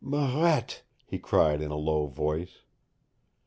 "Marette!" he cried in a low voice.